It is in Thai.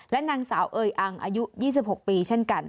นางสาวเอ๋ยอังอายุ๒๖ปีเช่นกัน